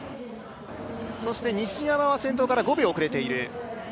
そして西山は先頭から５秒遅れている。